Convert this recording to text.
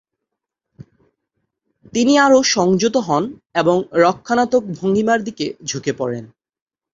তিনি আরও সংযত হন এবং রক্ষণাত্মক ভঙ্গীমার দিকে ঝুঁকে পড়েন।